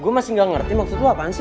gue masih gak ngerti maksud lo apaan sih